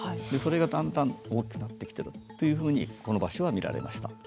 でそれがだんだん大きくなってきてるというふうにこの場所は見られました。